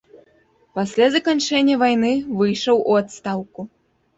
Пасля заканчэння вайны выйшаў у адстаўку.